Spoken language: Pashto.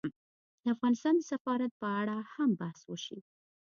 د افغانستان د سفارت په اړه هم بحث وشي